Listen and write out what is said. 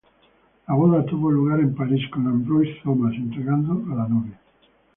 La boda tuvo lugar en París, con Ambroise Thomas entregando a la novia.